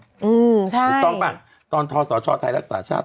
ถูกต้องป่ะตอนทศชไทยรักษาชาติ